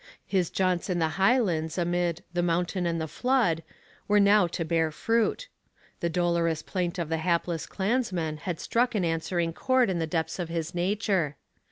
His jaunts in the Highlands amid 'the mountain and the flood' were now to bear fruit. The dolorous plaint of the hapless clansmen had struck an answering chord in the depths of his nature.